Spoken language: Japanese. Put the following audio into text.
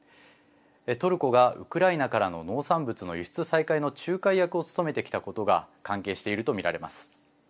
トルコが、ウクライナからの農産物の輸出再開の仲介役を務めてきたことが関係していると見られます。